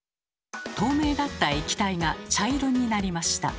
透明だった液体が茶色になりました。